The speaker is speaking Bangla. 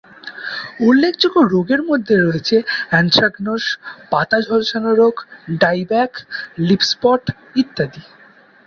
উল্লেখযোগ্য রোগের মধ্যে রয়েছে অ্যানথ্রাকনোস, পাতা ঝলসানো রোগ, ডাই ব্যাক, লিফ স্পট ইত্যাদি।